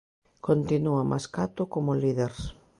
Continúa Mascato como líder.